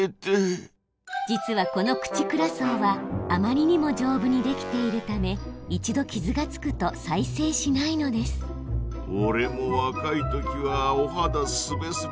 実はこのクチクラ層はあまりにもじょうぶにできているため一度傷がつくと再生しないのですおれも若い時はおはだスベスベだったんだけどな。